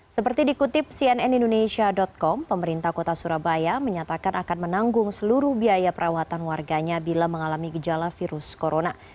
seperti dikutip cnn indonesia com pemerintah kota surabaya menyatakan akan menanggung seluruh biaya perawatan warganya bila mengalami gejala virus corona